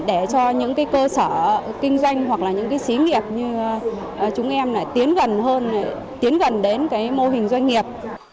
để cho những cơ sở kinh doanh hoặc là những xí nghiệp như chúng em tiến gần đến mô hình doanh nghiệp